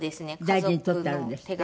大事に取ってあるんですって？